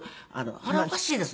これはおかしいですね。